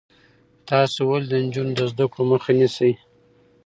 تاسو ولې د نجونو د زده کړو مخه نیسئ؟